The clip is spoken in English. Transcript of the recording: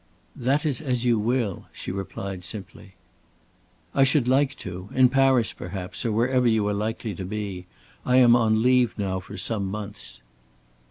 "That is as you will," she replied, simply. "I should like to. In Paris, perhaps, or wherever you are likely to be. I am on leave now for some months."